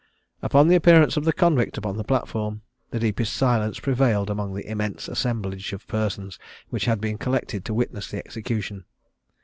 Upon the appearance of the convict upon the platform, the deepest silence prevailed amongst the immense assemblage of persons, which had been collected to witness the execution.